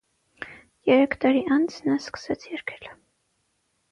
Երեք տարի անց նա սկսես երգել։